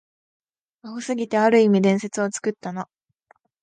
アホすぎて、ある意味伝説を作ったな